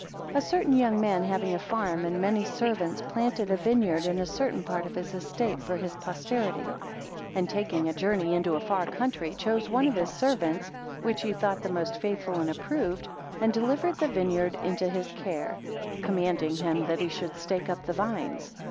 9 A certain man having a farm, and many servants, planted a vineyard in a certain part of his estate for his posterity: 10 And taking a journey into a far country, chose one of his servants which he thought the most faithful and approved, and delivered the vineyard into his care; commanding him that he should stake up the vines.